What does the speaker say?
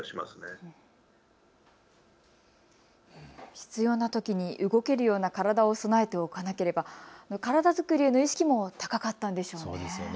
必要なときに動けるような体を備えておかなければ、体作りへの意識も高かったんですね。